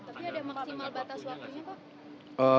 tapi ada maksimal batas waktunya pak